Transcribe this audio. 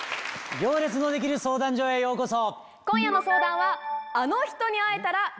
『行列のできる相談所』へようこそ。